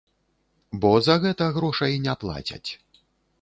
Бо за гэта грошай не плацяць.